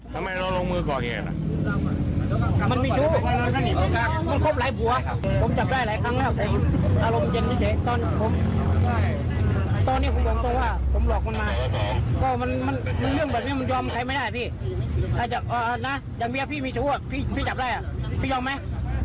ผมทำได้ผมไม่เอาไว้ผมบอกไง